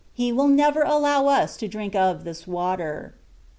He will never allow us to drink of this water.